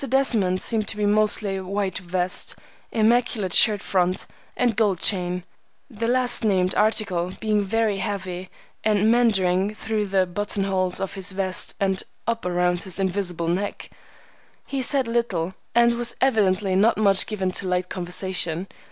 Desmond seemed to be mostly white vest, immaculate shirt front, and gold chain, the last named article being very heavy and meandering through the button holes of his vest and up around his invisible neck. He said little, and was evidently not much given to light conversation.